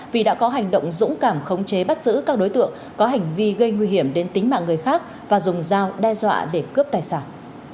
vì đã có hành động dũng cảm khống chế bắt giữ các đối tượng có hành vi gây nguy hiểm đến tính mạng người khác và dùng dao đe dọa để cướp tài sản